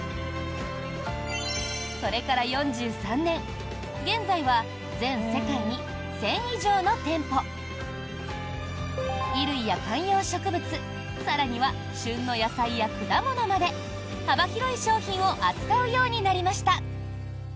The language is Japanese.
それから４３年、現在は全世界に１０００以上の店舗衣類や観葉植物更には旬の野菜や果物まで幅広い商品を扱うようになりました。